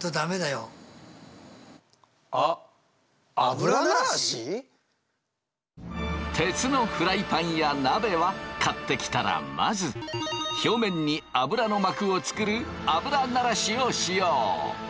それはね鉄のフライパンや鍋は買ってきたらまず表面に油の膜を作る油ならしをしよう。